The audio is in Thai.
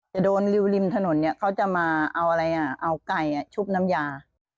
จะโดนริวริมถนนเนี่ยเขาจะมาเอาอะไรอ่ะเอาไก่ชุบน้ำยา